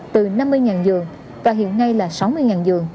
từ năm mươi giường và hiện nay là sáu mươi giường